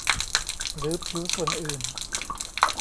หรือผิวส่วนอื่น